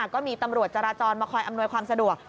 ก็มีตำรวจจราจรมาคอยอำนวยความสะดวก